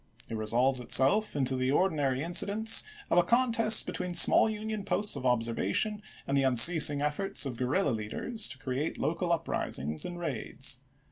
It resolves itself into the ordinary incidents of a contest between small Union posts of observation and the unceasing efforts of guerrilla leaders to create local uprisings and raids.